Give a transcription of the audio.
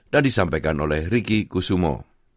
dan disampaikan oleh riki kusumo